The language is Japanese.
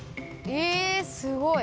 へえすごい！